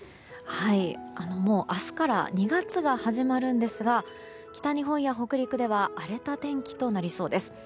もう明日から２月が始まるんですが北日本や北陸では荒れた天気となりそうです。